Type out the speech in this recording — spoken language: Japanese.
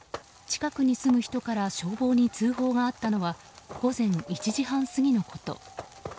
近くに住む人から消防に通報があったのは午前１時半過ぎのこと。